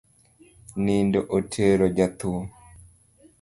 Nindo otero jathum